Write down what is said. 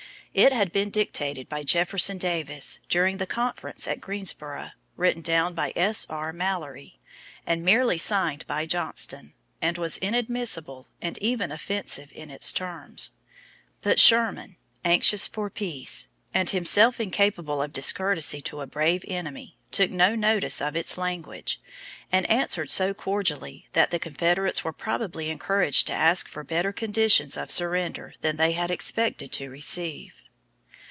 It had been dictated by Jefferson Davis during the conference at Greensboro, written down by S.R. Mallory, and merely signed by Johnston, and was inadmissible and even offensive in its terms; but Sherman, anxious for peace, and himself incapable of discourtesy to a brave enemy, took no notice of its language, and answered so cordially that the Confederates were probably encouraged to ask for better conditions of surrender than they had expected to receive.